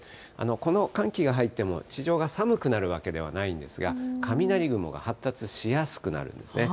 この寒気が入っても、地上が寒くなるわけではないんですが、雷雲が発達しやすくなるんですね。